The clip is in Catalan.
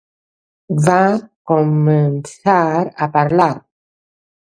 Va començar a parlar?